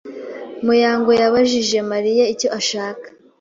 Muyango yabajije Mariya icyo ashaka.